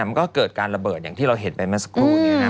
มันก็เกิดการระเบิดอย่างที่เราเห็นไปเมื่อสักครู่นี้นะ